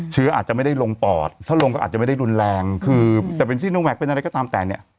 เชื้ออาจจะไม่ได้ลงปอดถ้าลงก็อาจจะไม่ได้รุนแรงคือจะเป็นซีโนแวคเป็นอะไรก็ตามแต่เนี่ย